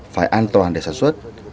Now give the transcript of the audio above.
phải an toàn để sản xuất